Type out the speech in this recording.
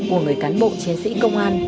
của người cán bộ chiến sĩ công an